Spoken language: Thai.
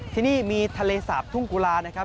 ที่นี่มีทะเลสาบทุ่งกุลานะครับ